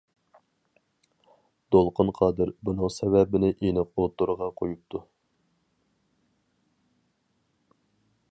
دولقۇن قادىر بۇنىڭ سەۋەبىنى ئېنىق ئوتتۇرىغا قويۇپتۇ.